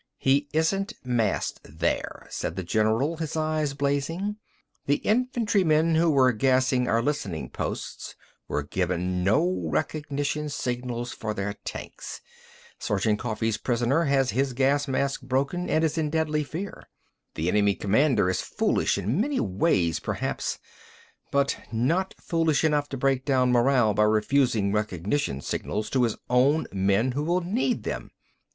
"He isn't massed there," said the general, his eyes blazing. "The infantrymen who were gassing our listening posts were given no recognition signals for their tanks. Sergeant Coffee's prisoner has his gas mask broken and is in deadly fear. The enemy commander is foolish in many ways, perhaps, but not foolish enough to break down morale by refusing recognition signals to his own men who will need them.